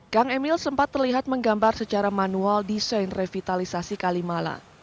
kang emil sempat terlihat menggambar secara manual desain revitalisasi kalimalang